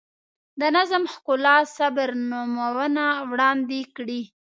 د نظم، ښکلا، صبر نمونه وړاندې کړي.